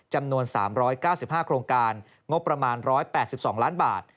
จำนวน๓๙๕โครงการงบประมาณ๑๘๒ล้านบาท